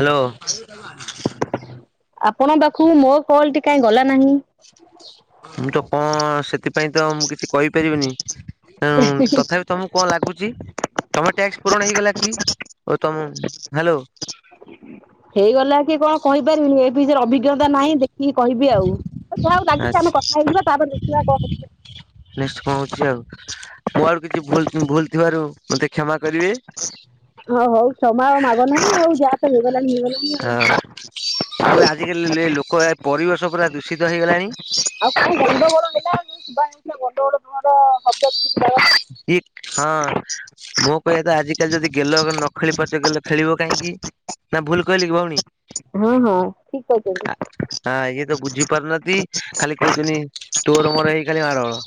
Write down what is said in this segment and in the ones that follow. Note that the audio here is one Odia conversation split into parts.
ହ୍ୟାଲୋ। ଆପଣ ପାଖକୁ ମୋ କଲଟି କାହିଁ ଗଲା ନାହିଁ? ମୁଁ ତ କଣ ସେଥିପାଇଁ ତ ମୁଁ କିଛି କହିପାରିବିନି ତେଣୁ ତଥାପି ତମକୁ କଣ ଲାଗୁଛି ତମେ ଟ୍ୟାକ୍ସ ପୂରଣ ହେଇଗଲା କି ଓ ତମ ହ୍ୟାଲୋ। ହେଇଗଲା କି କଣ କହିପାରିବିନି ଏ ରେ ଅଭିଜ୍ଞତା ନାହିଁ ଦେଖିକି କିବି ଆଉ ଯାହାକୁ ଡାକି ଆଚ୍ଛା ଆମେ କଥା ହେଇଯିବା ତାପରେ ଦେଖିବା କଣ କଣ ହଉଛି ଆଉ ମୁଁ ଆଡୁ କିଛି ଭୁଲ ଥିବାରୁ ମତେ କ୍ଷମା କରିବେ। ହଁ ହଉ କ୍ଷମା ଆଉ ମାଗ ନାହିଁ ଯାହାତ ହେଇଗଲାଣି ହଁ ହେଇଗଲାଣି। ଆଉ ଆଜିକାଲି ଲେ ଲୋକ ପରିବେଶ ପୁରା ଦୂଷିତ ହେଇଗଲାଣି। [unintelligible] ବଡ଼ ବଡ଼ ଘର ଦି ହଁ। ମୋ କହିବା କଥା ଆଜିକାଲି ଯଦି ଗେଲ ନ ଖେଳି ପାରୁଛ ଗେଲ ଖେଳିବ କାହିଁକି? ନା ଭୁଲ କହିଲି କି ଭଉଣୀ ହଁ ହଁ ଠିକ କହିଛନ୍ତି ଆ ଇଏ ତ ବୁଝି ପାରୁନାହାନ୍ତି। ଖାଲି କହୁଛୁନି ତୋର ମୋର ହେଇ ଖାଲି ମାଡ଼ ଗୋଡ଼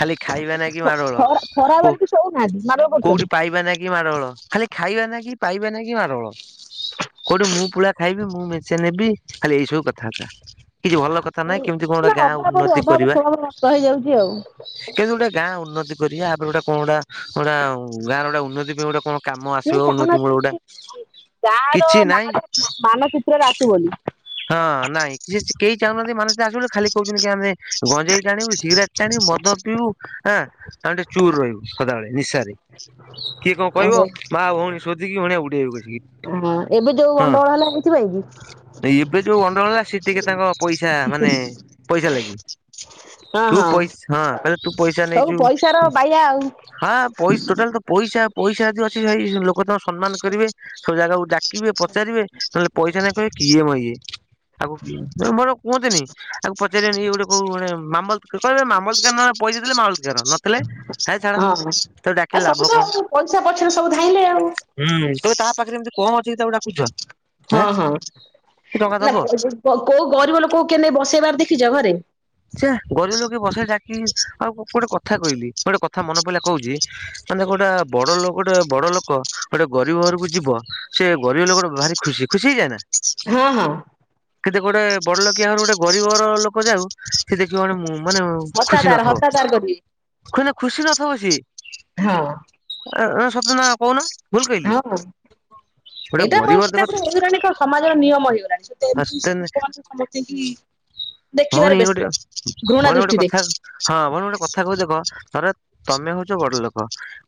ଖାଲି ଖାଇବା ନାଗି ମାଡ଼ ଗୋଳ ଖରା କୋ ଖରାବେଳେ ବି ଶୋଉନାହାନ୍ତି ମାଡ କୋଉଠି କରୁଛନ୍ତି। ପାଇବା ନାକି କି ମାଡ଼ଗୋଳ ଖାଲି ଖାଇବା ନାକି ପାଇବା ନାଁ କି ମାଡଗୋଳ। କୋଉଠୁ ମୁଁ ପୁଳା ଖାଇବି ମୁଁ ମେଞ୍ଚେ ନେବି ଖାଲି ଏଇ ସବୁ କଥା ବାର୍ତା କିଛି ଭଲ କଥା ନାହିଁ କେମିତି କଣ ଗୋଟେ ନା ଗାଁ ଅଭାବରୁ ଉନ୍ନତି ଅଭାବ କରିବା। ସ୍ୱଭାବ ନଷ୍ଟ ହେଇଯାଉଛି ଆଉ। କିନ୍ତୁ ଗୋଟେ ଗାଁ ଉନ୍ନତି କରିବା ୟାପରେ ଗୋଟେ କଣ ଗୋଟା ଗୋଟେ ଗାଁ ର ଗୋଟେ ଉନ୍ନତି ପାଇଁ ଗୋଟେ କଣ କାମ ସେ ଆସିବ ଉନ୍ନତି ମୂଳ ଗୋଟା ଚାହୁଁନାହାନ୍ତି ଗାଁ ର କିଛି ନାହିଁ ନାଁରେ ମାନଚିତ୍ରରେ ଆସୁ ବୋଲି ହଁ ନାଇଁ କିଛି କେହି ଚାହୁଁନାହାନ୍ତି ମାନଚିତ୍ରରେ ଆସୁ ବୋଲି ଖାଲି କହୁଛନ୍ତି କି ଆମେ ଗଞ୍ଜେଇ ଟାଣିବୁ ସିଗରେଟ ଟାଣିବୁ ମଦ ପିଇବୁ ହଁ। ଆଣ୍ଡ ଚୁର ରହିବୁ ସଦାବେଳେ ନିଶାରେ। କିଏ କଣ କହିବ ଆଉ ମା ଭଉଣୀ ଶୋଧିକି ଭଉଣିଆ ଉଡେଇବେ କସିକି। ହଁ ଏବେ ଯୋଉ ହଁ ଗଣ୍ଡଗୋଳ [unintelligible] ଏବେ ଯୋଉ ଗଣ୍ଡୋଗୋଳ ହେଲା ସେ ଟିକେ ତାଙ୍କ ପଇସା ମାନେ ପଇସା ଲାଗି। ହଁ ତୁ ହଁ। ପଇସା ହଁ କହିଲେ ତୁ ପଇସା ସବୁ ନେଇଛୁ ପଇସାର ବାୟା ଆଉ। ହଁ ପଇସା ଟୋଟାଲ ତ। ପଇସା ପଇସା ଯଦି ସେ ଏଇ ଲୋକ ତାଙ୍କୁ ସମ୍ମାନ କରିବେ ସବୁ ଜାଗାକୁ ଡାକିବେ ପଚାରିବେ ନହେଲେ ପଇସା ନାଇଁ କହି କିଏ ମ ଇଏ? ଆକୁ ମୋର କୁହନ୍ତିନି ଆକୁ ପଚାରିଲେନି ଗୋଟେ କଉ ଗୋଟେ ମାମଲତ କହିବେ ମାମଲତିଆନା ପଇସା ଦେଲେ ମାମଲ୍ ତ କାର ନଥିଲେ ହେଁ ଛାଡ। ତାକୁ ଆଉ ଡାକିଲେ ଲାଭ କଣ ସବୁ ତ ପଇସା ପଛରେ ସବୁ ଧାଇଁଲେ ଆଉ। ହୁଁ ତ ତା ପାଖରେ ଏମିତି କଣ ଅଛି ତାକୁ ଡାକୁଛ ହଁ। ନା କୋଉ ଗରିବ ଲୋକକୁ କେ ନେଇ ବସେଇବାର ଦେଖିଛ ଘରେ। ଛେ ଗରିବ ଲୋକେ ବସେଇ ଡାକିକି ଆଉ ଗୋଟେ କଥା କହିଲି ଗୋଟେ କଥ ଥା ମନେ ପିଇଲା କହୁଛି ମାନେ ଗୋଟେ ବଡ ଲୋକ ଟେ ଗୋଟେ ବଡ ଲୋକ ଗୋଟେ ଗରିବ ଘରକୁ ଯିବ। ସେ ଗରିବ ଲୋକ ଭାରି ଖୁସି ଖୁସି ହେଇଯାଏ ନା। ହଁ ହଁ। କିନ୍ତେ ଗୋଟେ ବଡ ଲୋକିଆ ଘରୁ ଗୋଟେ ଗରିବ ଘର ଲୋକ ଯାଉ। ସିଏ ଦେଖିବ ମାନେ ମାନେ ଖୁସି ହତାଦାର ନଥବ ହତାଦାର କରିବେ। ହେଲେ ଖୁସି ନଥବ ସିଏ। ହଁ। ସତ ନା କହୁନ। ଭୁଲ କହିଲି ହଁ ଗୋଟେ ଏଇଟା ଗରିବ ସେଇଟା ଏ ସମାଜର ନିୟମ ହେଇଗ ଜାଣିଛ ତ ଏମିତି ଦେଖ ସମସ୍ତିଙ୍କି ଦେଖିବାର ଭଉଣୀ ଗୋଟେ ବ୍ୟସ୍ତ ଘୃଣା ଭଉଣୀ ଗୋଟେ ଦୃଷ୍ଟିରେ। କଥା ହଁ ମର ଗୋଟେ କଥା କହୁଚି ଦେଖ ଧରେ ତମେ ହଉଛ ବଡ ଲୋକ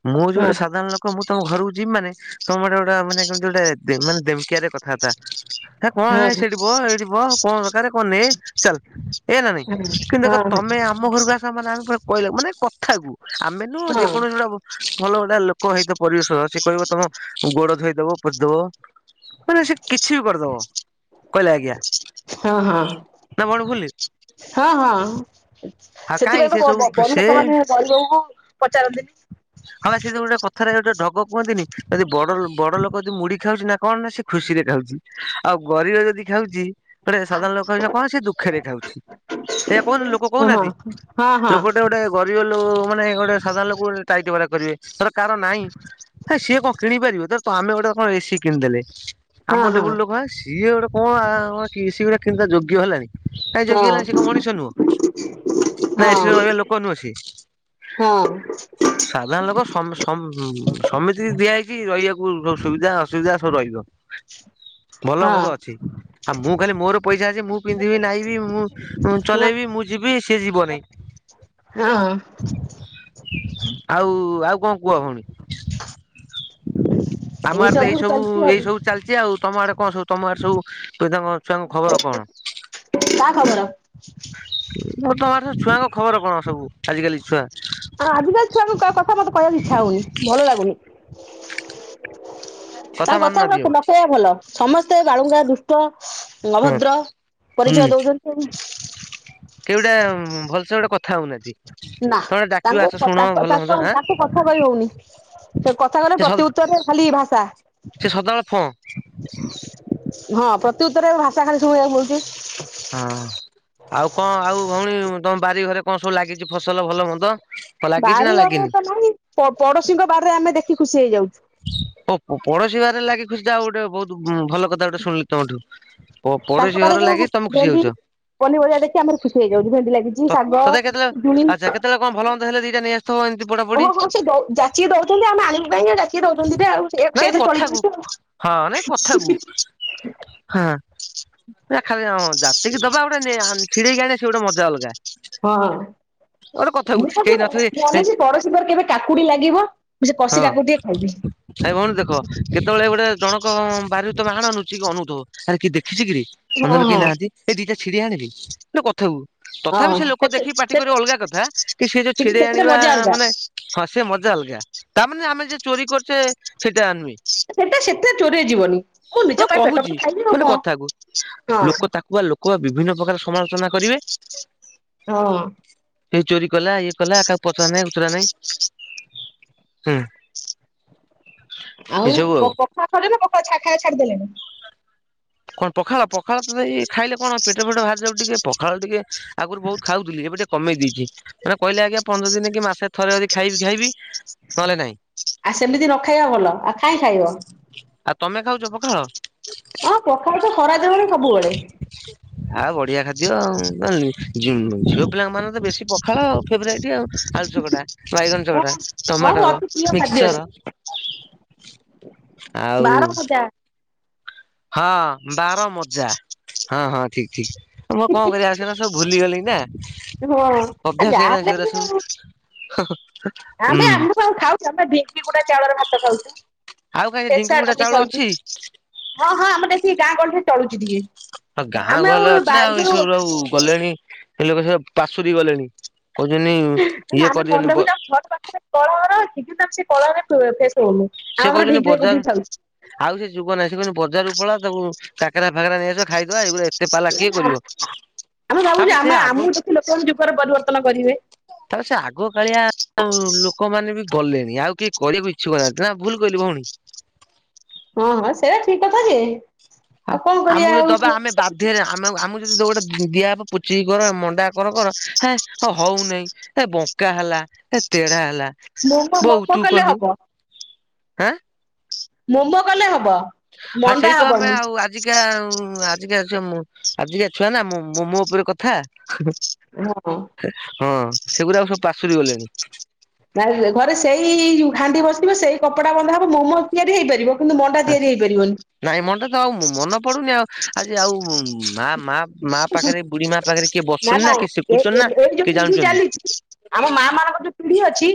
ମୁଁ ହଉଛି ହଁ ଗୋଟେ ସାଧାରଣ ଲୋକ। କ ମୁଁ ତମ ଘରକୁ ଯିବି ମାନେ ତମ ଗୋଟେ ଗୋଟ ମାନେ କେମିତି ଗୋଟେ ମାନେ ଦେମ ଡେମକେଆରେ କଥା ବାର୍ତା। ହେ କଣ ହଁ ହେ ହଁ ସେଠିବ ଏଇଠିବ କଣ ଦରକାର କଣ ନେ ଚାଲ ଏଇଆ ନା ନାଇଁ। କିନ୍ତୁ ଦେଖ ହଁ ତମେ ଆମ ଘରକୁ ଆସ ମାନେ ଆମେ କହିଲ ମାନେ କଥା କୁ ଆମେ ନୁ ହଁ ଯେକୌଣସି ହଁ ଗୋଟା ଭଲ ଗୋଟା ଲୋକ ହେଇତ ପରିବେଶ ସେ କହିବ ତମ ଗୋଡ ଧୋଇଦବ ପୋଛିଦବ। ମାନେ ସେ କିଛି ବି କରିଦବ କହିଲେ ଆଜ୍ଞା। ହଁ ହଁ ନା ଭଉଣୀ ଭୁଲ ହଁ ହଁ। ଆଉ କାହିଁ ସେଥିପାଇଁ ସେ ତ ବ ବ ସବୁ ବ ବଡ଼ ସେ ଲୋକ ମାନେ ଗରିବବଙ୍କୁ ପଚାରନ୍ତିନି। ହଁ ବା ସେ ଗୋଟେ କଥାରେ ଗୋଟେ ଢଗ କୁହନ୍ତିନି ଯଦି ବଡ ବଡ ଲୋକ ଯଦି ମୁଢି ଖାଉଛି ନା କଣ ନା ସେ ଖୁସିରେ ଖାଉଛି ଆଉ ଗରିବ ଯଦି ଖାଉଛି। ଗୋଟ ସାଧାରଣ ଲୋକ ହେଇ କଣ ସେ ଦୁଃଖରେ ଖାଉଛି। ଏଇୟା କହୁନ ଲୋକ ହଁ ହଁ କହୁନାହାନ୍ତି ହଁ ଲୋକଟେ ଗୋଟେ ଗରିବ ଲୋ ମାନେ ଗୋଟେ ସାଧାରଣ ଲୋକକୁ ଟାହୀ ଟାପରା କରିବେ। ଧର କାର ନାହିଁ ହେ ସିଏ କଣ କିଣିପାରିବ ତ ତ ଆମେ ଗୋଟେ କଣ ଏସିି କିଣିଦେଲେ। ଆମ ହଁ ହଁ ଲେବୁଲ ଲୋକ ସିଏ ଗୋଟେ କଣ କି ସ ଗଡା କିଣ ଯୋଗ୍ୟ ହେଲାଣି। ନାଇ ହଁ ଜଗିଗଲାଣି ସ କଣ ମଣିଷ ନୁହଁ ନାଇଁ ସେ ରହିବା ଲୋକ ନୁହଁ ସିଏ। ହଁ। ସାଧାରଣ ଲୋକ ସମ ସମିତି ଦିଆ ହେଇଛି ରହିବାକୁ ସବୁ ସୁବିଧା ଅସୁବିଧା ସବୁ ରହିବ। [unintelligible] ଭଲ ମୋତେ ହଁ ଅଛି ଆଉ ମୁଁ ଖାଲି ମୋର ପଇସା ଅଛି ମୁଁ ପିନ୍ଧିବି ନହିଁବି ମୁଁ। ମୁଁ ଚଲେଇବି ମୁଁ ଯିବି ସିଏ ଯିବନାହିଁ। ହଁ। ଆଉ ଆଉ କଣ? କୁଆଡୁ। ହ। [unintelligible] ଆମଆଡ଼େ ତ ଏଇ ସବୁ ଏଇ ସବୁ ଚାଲିଛି। ଚି ଆଉ ତମ ଆଡେ କଣ ସବୁ ତମ ଆଡେ ସବୁ ତାଙ୍କ ଛୁଆଙ୍କ ଖବର କଣ। ତା [unintelligible] ମୁଁ ତମର ଛୁଆଙ୍କ ଖବର କଣ ସବୁ ଆଜିିକାଲି ଛୁଆ। ଆ ଆଜିିକା ଛୁଆକୁ କଥା ମତେ କହିବାକୁ ଇଚ୍ଛା ହଉନି ଭଲ ଲାଗୁନି। ତାଙ୍କ କଥା ମାନୁନାହାନ୍ତି ଆଉ। ନକହିବା ଭଲ ସମସ୍ତେ ବାଳୁଙ୍ଗା ଦୁଷ୍ଟ। ହଁ ଅଭଦ୍ର ପରିଚୟ ଦଉଛନ୍ତି। ଯୋଉଟା ଭଲସେ ଗୋଟେ କଥା। ହଉନାହାନ୍ତି। ନା ତମେ ଡାକିବ ତାଙ୍କୁ ଆସ ଶୁଣ ଭଲ ମନ୍ଦ ଆଁ ତାଙ୍କୁ କଥା କହି ହଉନି। ସେ କଥା କରେ ସେ ପ୍ରତି ଉତ୍ତରରେ ଖାଲି ଭାଷା। ସେ ସଦାବେଳେ ଫଁ। ହଁ ପ୍ରତି ଉତ୍ତରରେ ଭାଷା ଖାଲି ଶୁଣିଆକୁ ପଡୁଛି। ହଁ ଆଉ କଣ ଆଉ ଭଉଣୀ, ତମ ବାରିଘରେ କଣ ସବୁ ଲାଗିଛି ଫସଲ ଭଲ ମନ୍ଦ? ଲାଗିଛି ନା ବାରିଘରେ ଲାଗିନି? ତ ନାହିଁ, ପଡୋଶୀଙ୍କ ବାରିରେ ଆମେ ଦେଖି ଖୁସି ହେଇଯାଉଚୁ। ଓ ପଡୋଶୀ ବାରିରେ ଲାଗି ଖୁସି, ଆଉ ଗୋଟେ ବହୁତ ଭଲ କଥା ଗୋଟେ ଶୁଣିଲି ତମଠୁ। ପ ତାଙ୍କ -ପଡୋଶୀ ଘର ବାରିରେ ଯୋଉ ଲାଗିଛି ତମେ ଖୁସି ଭେଣ୍ଡି ହଉଛ। ପନିପରିବା ଦେଖି ଆମର ଖୁସି ହେଇଯାଉଛୁ। ଭେଣ୍ଡି ଲାଗିଛି, ତ ଶାଗ, ତଥାପି କେତେବେଳେ ପିଜୁଳି ଆଚ୍ଛା କେତେବେଳେ କଣ ଭଲ ମନ୍ଦ ହେଲେ ଦିଇଟା ନେଇଆ ହଁ- ହଁ ସେ ଦଉ ଯାଚି କି ଦଉଚନ୍ତି, ଆମେ ଆଣିବୁ କାଇଁକି କି ହେଇଟା। ସିଏ ଦଉଛନ୍ତି ଯେ ଆଉ, ସେଇଆ ନାଇଁ ସେଇଥିରେ ଚଳି କଥାକୁ ଯାଉଛୁ ଆଉ। ହଁ ନାଇଁ କଥାକୁ ହଁ ଖାଲି ଜାଚିକି ଦବା ଗୋଟେ ହା ଛିଡେଇକି ଆଣିବା, ସେ ଗୋଟେ ମଜା ଅଲଗା। ହଁ- ଗୋଟେ କଥାକୁ ମୁଁ ସବୁ କେହି ନଥିବେ ଜାଣିଚି, ପଡୋ ଶୀ ବାରିରେ କେବେ କାକୁଡି ଲାଗିବ, ମୁଁ ସେ କଷି କାକୁଡି ଟିକେ ଖାଇବି। ନାଁଇ ଭଉଣୀ ଦେଖ, କେତେବେଳେ ଗୋଟେ ଜଣକ ଙ୍କ ବାରିରୁ ତମେ ଆଣ ନୁଚିକି ଅନଉଥିବ, ଆରେ କିଏ ଦେଖିଚି କିରେ ହଁ [unintelligible] କେହି ହଁ ନାହାନ୍ତି। ଏ ଦିଟା ଛିଡେଇ ଆଣେ ବେ, ଲୋ [unintelligible] ତଥାପି ସେ ଲୋକ ଦେଖିକି ପାଟି ହଁ। କରିବେ ଅଲଗା କଥା, କି ସେ ଯୋଉ ଛିଡେଇ ସେଥିରେ ଆଣିବା ମଜା ଅଲଗା ମାନେ ହଁ ସେ ମଜା ଅଲଗା, ତାମାନେ ଆମେ ଯୋଉ ଚୋରି କରୁଚେ ସେଟା ନୁହେଁ। ସେଟା ସେଥିରେ ଚୋରିରେ ଯିବନି, ମୁଁ ନିଜ ପାଇଁ ପେଟ କହୁଛି ପାଇଁ ଖାଇବି ଆଉ ମାନେ କଥାକୁ କଣ ଲୋକ ହଁ। ତାକୁ ବା ଲୋକ ବା ବିଭିନ୍ନ ପ୍ରକାର ସମାଲୋଚନା କରିବେ। ହଁ ହଁ। ହେଇ ଚୋରି କଲା ଇଏ କଲା, କାହାକୁ ପଚରା ନାଇଁ ଉଚୁରା ନାଇଁ ହୁଁ। ଆଉ ପ - ପ- ପଖାଳ ଖାଉଛ ନାଁ ପଖାଳ ଖାଉ ଖାଇଆ ଛାଡିଦେଲେଣି? କଣ ପଖାଳ, ପଖାଳ ତ ସେଇ ଖାଇଲେ କଣ ପେଟ ଫେଟ ବାହାରି ଯାଉଚି ଟିକେ। ପଖାଳ ଟିକେ ଆଗରୁ ବହୁତ ଖାଉଥିଲି, ଏବେ ଟିକେ କମେଇ ଦେଇଛି। ମାନେ କହିଲେ ଆଜ୍ଞା ପନ୍ଦର ଦିନ କି ମାସେ ଥରେ ଯଦି ଖାଇବି ଖାଇବି ନହେଲେ ନାହିଁ। ଆ ସେମିତି ନ ଖାଇବା ଭଲ, ଆଉ କାଇଁ ଖାଇବ। ଆଉ ତମେ ଖାଉଛ ପଖାଳ? ହଁ ପଖାଳ ତ ଖରାଦିନରେ ସବୁବେଳେ। ଆଉ ବଢିଆ ଖାଦ୍ୟ ଆଉ [unintelligible] ଝି-ଝିଅ ପିଲାମାନେ ତ ବେଶୀ ପ ହଁ ଫେବରାଇଟ୍ ଆଉ ଆଳୁ ଚକଟା, ବାଇଗଣ ଚକଟା, ହଁ ହଁ ଟମାଟର, ଅତି ପ୍ରିୟ ଖାଦ୍ୟ ସେ ମିକ୍ସଚର ଆଉ। ବାର ଭଜା ହଁ ବାରମଜା ହଁ- ହଁ ଠିକ୍ ଠିକ୍। ଆମେ ଆଉ କଣ କରିଆ ସେରା ସବୁ ଭୁଲିଗଲେଇ ନା, ହଁ। ଆ ଅଭ୍ୟାସ ହେଇଗଲାଣି ଯାହାହେଲେ ବି ସେଇଗୁରା ଆଉ ସବୁ। [unintelligible] ଆମେ ଆମେ ସବୁ ଆଉ ଖାଉଛୁ, ଆମେ ଭି ଢ଼ିଙ୍କି କୁଟା ଚାଉଳରେ ଭାତ ଖାଉଛୁ, ଆଉ କାଇଁ ଢିଙ୍କି ଖେଚା ଗୁଡା ଡାଲି ଚାଉଳ ଖାଉଛୁ। ଅଛି? ହଁ- ହଁ ଆମର ଏଠି ଗାଁ ଗହଳିରେ ଚଳୁଚି ଟିକେ, ଆଉ ଗାଁ ଆମେ ଗହଳିରେ ଆଉ ଅଛି ବା ନା ଏଇ ଯୋଉ ସବୁ ଆଉ ଗଲେଣି, ସେ ଲୋକ ସେ ପାଶୁରି ଗଲେଣି। କହୁଛନ୍ତି ନା ଇଏ ଆମେ କରିଦିଅନ ମଣ୍ଡପକୁ ଯାଉଛୁ ଘର ପାଖେରେ କଳ ଘର ଅଛି, କିନ୍ତୁ ତାକୁ ସେ କଳରେ ପେଶଉନୁ। ସେ ଆମର କହୁଛନ୍ତି ଢ଼ିଙ୍କିରେ ବଜାର କୁଟିକି ଖାଉଚୁ। ଆଉ ସେ ଯୁଗ ନାହିଁ ସେ କହୁଛନ୍ତି ବଜାରକୁ ପଳା, ତାକୁ କାକରା ଫାକାରା ନେଇଆସ ଖାଇଦବା ଏଇଗୁରା ଆମେ ତାପରେ ଭାବୁଛୁ ସେ ଆମ ଆଗ ଆମକୁ ଦେଖି, ଲୋକମାନେ ଯୁଗରେ ପରିବର୍ତ୍ତନ କରିବେ। ତାହେଲେ ସେ ଆଗ କାଳିଆ ଲୋକମାନେ ବି ଗଲେଣି, ଆଉ କିଏ କରିବାକୁ ଇଚ୍ଛୁକ ନାହା ନା ଭୁଲ୍ କହିଲି ଭଉଣୀ। ହଁ- ହଁ ସେଇଟା ଠିକ କଥା ଯେ ଆମ ଆଉ କଣ କରିବା ଆମକୁ ଯଦି ଆଉ ଦବା ଆମେ ସବୁ ବାଧ୍ୟରେ, ଆମ ଆମକୁ ଯଦି ଗୋଟେ ଦିଆ ହବ ପୁଚି କର, ମଣ୍ଡା କର କର ହେଁ ହଉନେଇ, ଏ ବଙ୍କା ହେଲା, ଏ ତେଢା ହେଲା ମୋମୋ ବୋଉ ମୋମୋ ତୁ କଲେ କଲୁ ହବ ଆଁ ମୋମୋ କଲେ ହବ। ହଁ ମଣ୍ଡା ସେଇ ତ ଆମେ ହବନି ଆଉ ଆଜିକିଣା ଆଜିକା ଛୁଆଁ ଆଜିକା ଛୁଆ ନା ମୋ -ମୋମୋ ଉପରେ କଥା। ହଁ ହଁ ସେଗୁରାକୁ ସବୁ ପାଶୁରି ଗଲେଣି। ଘରେ ସେଇ ହାଣ୍ଡି ବସିବ ସେଇ କପଡା ବନ୍ଧା ହବ ମୋମୋ ତିଆରି ହେଇପାରିବ। କିନ୍ତୁ ମଣ୍ଡା ତିଆରି ହେଇପାରିବନି। ନାଇଁ ମଣ୍ଡା ତ ଆଉ ମନେ ପଡୁନି ଆଉ ଆଜି ଆଉ ମା, ମା ମା ପାଖରେ ବୁଢୀ ମା ପାଖରେ କିଏ ବସୁଚନ୍ତି ନା କିଏ ଏ ଶିଖୁଚନ୍ତି ନା ଏଇ ଯୋଉ କିଏ ପିଢି ଜାଣୁଚନ୍ତି। ଚାଲିଛି ଆମ ମା ମାନଙ୍କର ଯୋଉ ପିଢି ଅଛି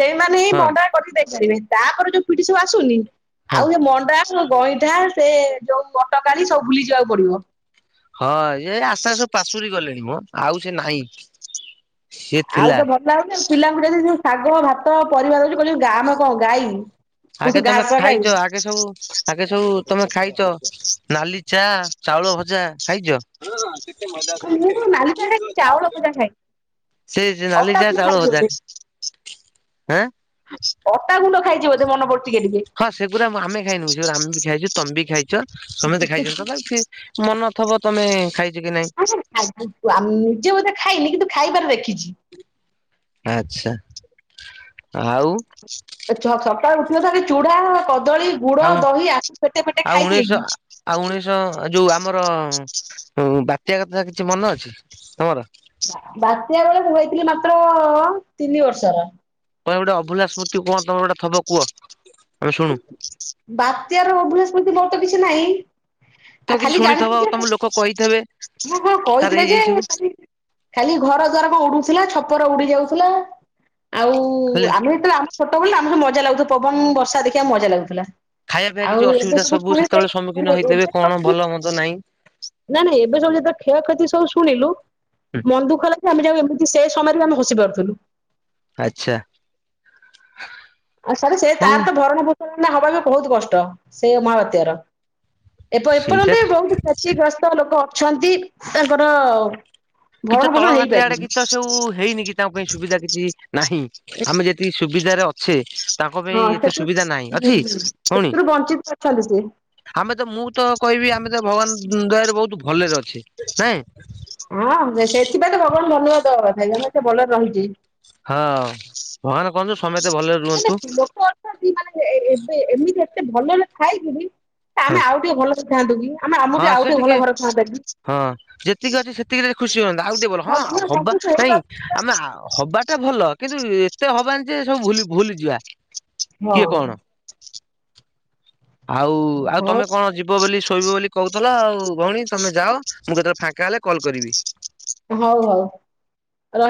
ସେଇମାନେ ହିଁ ହଁ ମଣ୍ଡା କରି ଦେଇ ପାରିବେ ତାପରେ ଯୋଉ ପିଢ଼ି ସବୁ ଆସୁନି ହଁ ଆଉ ଏ ମଣ୍ଡା ଗଇଁଠା ସେ ଯୋଉ ବଟକାଳୀ ସବୁ ଭୁଲି ଯିବାକୁ ପଡିବ। ହଁ ଏ ଆଶା ସବୁ ପାଶୁରି ଗଲେଣି ମ ଆଉ ସେ ନାଇଁ। ଆଉ ତ ଭଲ ଲାଗୁନି ପିଲାଙ୍କୁ ଯଦି ଯୋଉ ଶାଗ, ଭାତ, ପରିବା ଦଉଛୁ କଉଚନ୍ତି ଆମେ କଣ ଗାଈ। ଆଗେ ତମେ ଘାସ ଖାଇ ଖାଇଛ ଆଗେ ସବୁ ଆଗେ ସବୁ ତମେ ଖାଇଛ ନାଲି ଚା ଚାଉଳ ଭଜା ଖାଇଛ? ହଁଁ ସେତେ ମଜା ଦିଏ ମୁଁ ନାଲି ଚା ମୁଁ ଖାଇ ତ ଚାଉଳ ଚା ଭଜା ଖାଏ ସେ ଯା ନାଲି ଅଟା ଚା ଗୁଣ୍ଡ ଚାଉଳ ଖାଇଛି ଭଜା ବୋଧେ ଆଁ ଅଟା ଗୁଣ୍ଡ ଖାଇଛି ବୋଧେ ମନେ ପଡୁ ହଁ ସେଗୁରା ଆମେ ଖାଇନୁ ଗି ସେଗୁରା ଆମେ ବି ଖାଇଛୁ ତମେ ବି ଖାଇଛ ସମତେ ଖାଇଛନ୍ତି ତଥାପି ସେ ମନ ନଥିବ ତମେ ଖାଇଛ କି ନାଇଁ? [unintelligible] ଆମେ ନିଜେ ବୋଧେ ଖାଇନି କିନ୍ତୁ ଖାଇବାର ଦେଖିଛି। ଆଛା ଆଉ ଚ ସକାଳୁ ଉଠିଵ ଧରି ଚୁଢା, କଦଳୀ ଗୁଡ, ଆଉ ଦହି ୟାକୁ ପେଟେ ପେଟେ ଖାଇ ଦେଇକି ଚ ଯୋଉ ଆମର ବାତ୍ୟା କଥା କିଛି ମନେ ଅଛି ତମର? ବାତ୍ୟା ବେଳେ ମୁଁ ହେଇଥିଲି ମାତ୍ର ଅ ତିନି ବର୍ଷର। ତମେ ଗୋଟେ ଅଭୁଲା ସ୍ମୃତି କୁହ ତମର ଗୋଟେ ଥିବ କୁହ ଆମେ ଶୁଣୁ? ବାତ୍ୟାର ଅଭୁଲା ସ୍ମୁତି ମର ତ କିଛି ନାହିଁ। ଆ ତମେ କିଛି ଖାଲି ଶୁଣିଥବ ଜାଣିଥିଲି ଯେ ତମ ଲୋକ କହିଥେବେ ହଁ ମୋ ବୋଉ ତାର କହିଥିଲା ଏଇ ଯେ ଏଇ ସବୁ ଖାଲି ଘର ଦ୍ଵାର କଣ ଉଡୁଥିଲା ଛପର ଉଡି ଯାଉଥିଲା ଆଉ କୁ ଖାଲି ଆମେ ଯେତେବେଳେ ଆମେ ଛୋଟ ଥିଲୁ ନା ଆମକୁ ମଜା ଲାଗୁଥିବ ପବନ ବର୍ଷା ଦେଖିବାକୁ ମଜା ଲାଗୁଥିଲା। ଖାଇବା ପିଇବା ଆଉ କିଛି ଏବେ ଅସୁବିଧା ସବୁ ଶୁଣିଲେ ସେତେବେଳେ ସମ୍ମୁଖୀନ ହେଇଥିବେ କଣ ଭଲ ମନ୍ଦ ନାହିଁ। ନାଁ ନାଇଁ ଏବେ ସବୁ ଯେତେବେଳେ କ୍ଷୟକ୍ଷତି ସବୁ ଶୁଣିଲୁ ମନ୍ ଦୁଃଖ ହେଲା ଆମେ ଯାଉ ଏମିତି ସେ ସମୟରେ ଆମେ ହସି ପାରୁଥିଲୁ। ଆଛା। ଆ ସରେ ସେ ତାର ତ ଭରଣା ପୋଷଣା ହବା ବି ବହୁତ କଷ୍ଟ ସେଇ ମହାବାତ୍ୟାର। ଏ ପ ସେଇଟା ଏପର୍ଯ୍ୟନ୍ତ ବହୁତ କ୍ଷତିଗ୍ରସ୍ତ ଲୋକ ଅଛନ୍ତି ତାଙ୍କର କି ଭରଣ ତ ପୋଷଣ ତଳ ଘାଟି ଆଡେ କି ହେଇପାରିନି। ତ ସବୁ ହେଇନି କି ତାଙ୍କ ପାଇଁ ସୁବିଧା କିଛି ନାହିଁ ଆମେ ଯେତିକି ସୁବିଧାରେ ଅଛେ ତାଙ୍କ ପାଇଁ ହଁ ଏତେ ସେଥିରୁ ସୁବିଧା ନାହିଁ ଅଛି ଭଉଣୀ? ଚାଲିୁଛି। ଆମେ ତ ମୁଁ ତ କହିବି ଆମେ ତ ଭଗବାନ ଦୟାରୁ ବହୁତ ଭଲରେ ଅଛେ ନାଏ। ହଁ ସେଥିପାଇଁ ତ ଭଗବାନ ଧନ୍ୟବାଦ ଦବା କଥା ଆମେ ମତେ ଭଲରେ ରହିଛେ। ହଁ ଭଗବାନ୍ କରନ୍ତୁ ସମତେ ଭଲରେ ରୁହନ୍ତୁ। ମାନେ ଲୋକ ଅଛନ୍ତି ମାନେ ଏ ଏ ଏବେ ଏମିତି ଏତେ ଭଲରେ ଥାଇ ବି ହଁ ଆମେ ଆଉ ଟିକେ ଭଲରେ ଥାଆନ୍ତୁ କି ଆମେ ଆମ ଟିକୁ ହଁ ଆଉ ସେ ଟିକେ ଭଲ ଘର ଥାଆନ୍ତା କି? ହଁ ଯେତିକି ଅଛି ସେତିକିରେ ଟିକେ ଖୁସି ହୁଅନ୍ତା ଆଉ ଟିକେ ଭଲ ହଁ ହବା ସନ୍ତୁଷ୍ଟ ନାଇଁ ହେଇପାରୁନୁ। ଆମେ ଆ ହବା ସେଟା ଭଲ କିନ୍ତୁ ଏତେ ହବାନି ଯେ ସବୁ ଭୁ ଭୁଲି ଯିବା। ହଁ। ଆଉ ଆଉ ହଉ ତମେ କଣ ଯିବ ବୋଲି ଶୋଇବ ବୋଲି କହୁଥିଲ ଆଉ ଭଉଣୀ ତମେ ଯାଅ ମୁଁ କେତେବେଳେ ଫାଙ୍କା ହେଲେ କଲ୍ କରିବି। ହଉ ହଉ।